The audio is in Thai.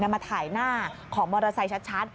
มาถ่ายหน้าของมอเตอร์ไซค์ชัด